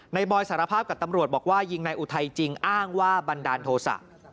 บอยสารภาพกับตำรวจบอกว่ายิงนายอุทัยจริงอ้างว่าบันดาลโทษะ